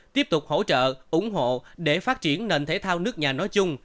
tiếp tục hỗ trợ ủng hộ để phát triển nền thể thao nước nhà nói chung